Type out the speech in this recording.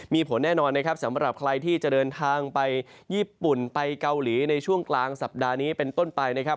มีผลแน่นอนนะครับสำหรับใครที่จะเดินทางไปญี่ปุ่นไปเกาหลีในช่วงกลางสัปดาห์นี้เป็นต้นไปนะครับ